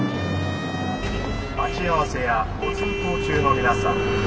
「待ち合わせやご通行中の皆さん